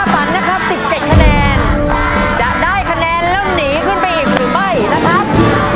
ฝันนะครับ๑๗คะแนนจะได้คะแนนแล้วหนีขึ้นไปอีกหรือไม่นะครับ